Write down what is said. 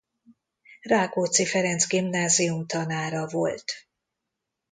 Rákóczi Ferenc Gimnázium tanára volt.